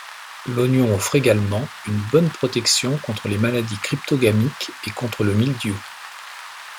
L'oignon offre également une bonne protection contre les maladies cryptogamiques et contre le mildiou.